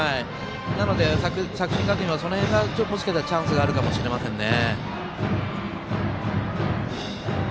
なので、作新学院はその辺がチャンスがあるかもしれませんね。